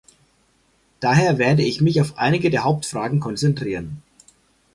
Daher werde ich mich auf einige der Hauptfragen konzentrieren.